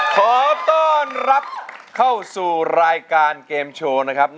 ขอต้อนรับเข้าสู่รายการเกมโชว์นะครับ